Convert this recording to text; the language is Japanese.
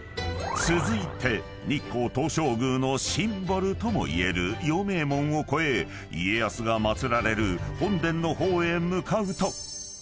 ［続いて日光東照宮のシンボルともいえる陽明門を越え家康が祭られる本殿の方へ向かうと］